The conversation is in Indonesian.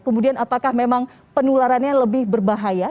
kemudian apakah memang penularannya lebih berbahaya